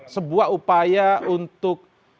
sebuah upaya untuk